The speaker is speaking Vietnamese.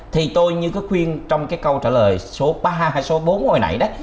thì tôi như có khuyên trong cái câu trả lời số ba hay số bốn hồi nãy đó